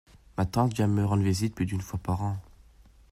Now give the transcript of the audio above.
Ma tante vient me rendre visite plus d’une fois par an.